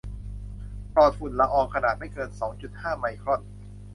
ปลอดฝุ่นละอองขนาดไม่เกินสองจุดห้าไมครอน